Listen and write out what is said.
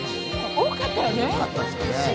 多かったよね！